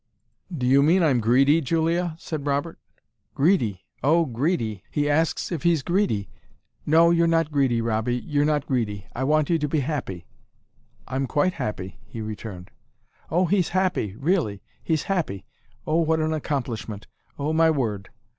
"Do you mean I'm greedy, Julia?" said Robert. "Greedy! Oh, greedy! he asks if he's greedy? no you're not greedy, Robbie, you're not greedy. I want you to be happy." "I'm quite happy," he returned. "Oh, he's happy! Really! he's happy! Oh, what an accomplishment! Oh, my word!"